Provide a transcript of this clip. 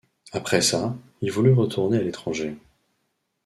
Après ça, il voulut retourner à l'étranger.